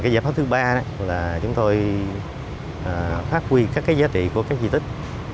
giải pháp thứ ba là chúng tôi phát huy các giá trị của các di tích